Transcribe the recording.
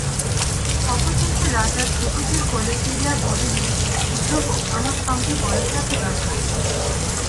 অবশেষে রাজা ধ্রুবকে কোলে তুলিয়া বলিলেন, ধ্রুব, আমার সঙ্গে বনে যাবে বাছা?